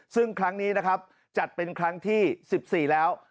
ซึ่งครั้งนี้นะครับจัดเป็นครั้งที่๑๔แล้ว